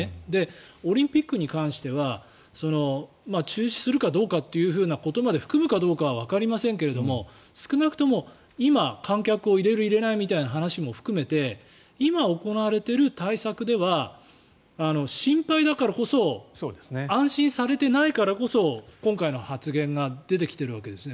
オリンピックに関しては中止するかどうかということまで含むかはわかりませんけども少なくとも今、観客を入れる、入れないという話も含めて今、行われている対策では心配だからこそ安心されてないからこそ今回の発言が出てきているわけですね。